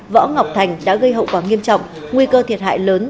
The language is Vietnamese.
võ ngọc thành đã gây hậu quả nghiêm trọng nguy cơ thiệt hại lớn